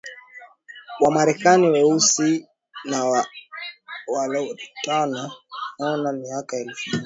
Wamarekani weusi na Walatino kunako miaka ya elfu moja mia tisa sabini katika